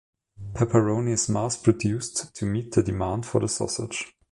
Pepperoni is mass-produced to meet the demand for the sausage.